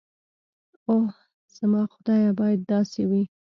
اوح زما خدايه بايد داسې وي.